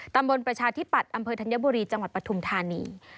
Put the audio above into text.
ประชาธิปัตย์อำเภอธัญบุรีจังหวัดปฐุมธานี